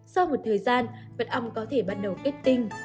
sau một thời gian mật ong có thể bắt đầu kết tinh